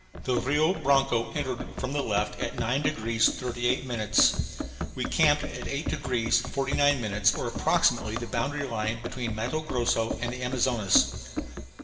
The Rio Branco entered from the left at 9 degrees 38 minutes. We camped at 8 degrees 49 minutes or approximately the boundary line between Matto Grosso and Amazonas.